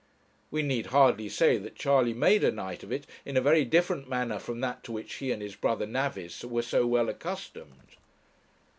We need hardly say that Charley made a night of it in a very different manner from that to which he and his brother navvies were so well accustomed.